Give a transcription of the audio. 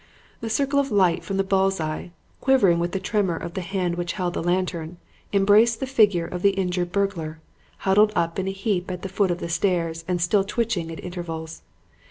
"The circle of light from the bulls eye, quivering with the tremor of the hand which held the lantern, embraced the figure of the injured burglar, huddled in a heap at the foot of the stairs and still twitching at intervals.